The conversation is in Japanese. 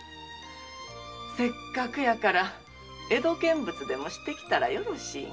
せっかくやから江戸見物でもしてきたらよろしいがな。